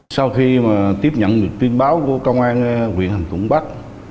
sau khi tiếp nhận tin báo của công an huyện hàm thủng bắc